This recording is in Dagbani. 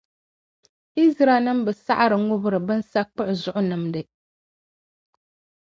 Izraɛlnim’ bi saɣiri ŋubiri binsakpuɣu zuɣu nimdi.